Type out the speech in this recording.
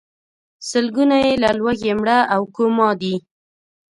سلګونه یې له لوږې مړه او کوما دي.